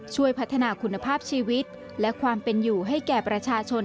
ช่วยพัฒนาคุณภาพชีวิตและความเป็นอยู่ให้แก่ประชาชน